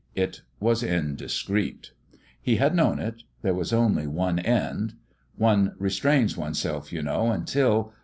It was indiscreet. He had known it. There was only one end. One restrains oneself, you know, until